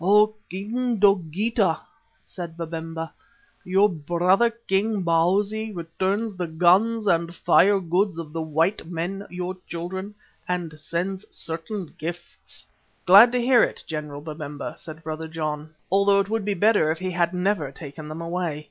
"O King Dogeetah," said Babemba, "your brother king, Bausi, returns the guns and fire goods of the white men, your children, and sends certain gifts." "Glad to hear it, General Babemba," said Brother John, "although it would be better if he had never taken them away.